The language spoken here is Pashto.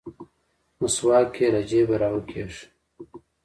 مسواک يې له جيبه راوکيښ.